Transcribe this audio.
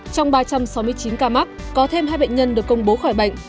trong ba trăm sáu mươi chín ca mắc có thêm hai bệnh nhân được công bố khỏi bệnh